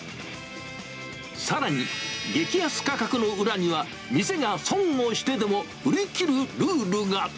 さらに、激安価格の裏には、店が損をしてでも売り切るルールが。